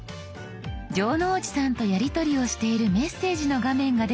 城之内さんとやりとりをしているメッセージの画面が出てきました。